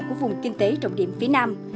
của vùng kinh tế trọng điểm phía nam